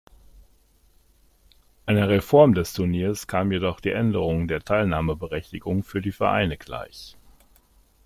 Einer Reform des Turniers kam jedoch die Änderung der Teilnahmeberechtigung für die Vereine gleich.